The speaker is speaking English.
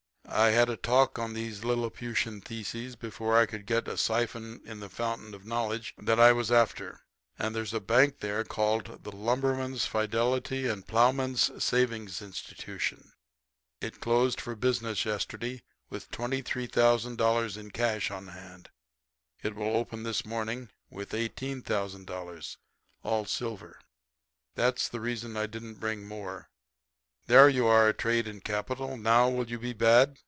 I had a talk on these liliputian thesises before I could get a siphon in the fountain of knowledge that I was after. And there's a bank there called the Lumberman's Fidelity and Plowman's Savings Institution. It closed for business yesterday with $23,000 cash on hand. It will open this morning with $18,000 all silver that's the reason I didn't bring more. There you are, trade and capital. Now, will you be bad?'